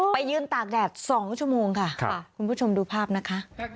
ไปยืนตากแดด๒ชั่วโมงค่ะคุณผู้ชมดูภาพนะคะ